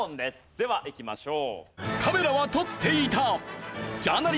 ではいきましょう。